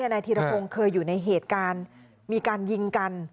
นายธีรพงศ์เคยอยู่ในเหตุการณ์มีการยิงกัน